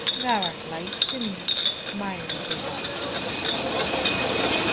Thou art life to me, my little one."